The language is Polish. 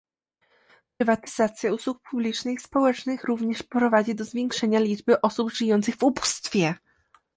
Prywatyzacja usług publicznych i społecznych również prowadzi do zwiększenia liczby osób żyjących w ubóstwie